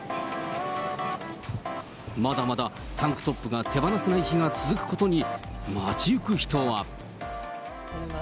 まだまだタンクトップが手放せない日が続くことに、この夏。